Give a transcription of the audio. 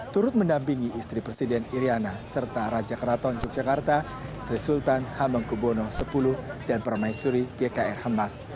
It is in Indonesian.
turut mendampingi istri presiden iryana serta raja keraton yogyakarta sri sultan hamengkubwono x dan permaisuri gkr hamas